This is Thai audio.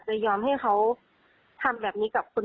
จะยอมให้เขาทำแบบนี้กับคนอื่น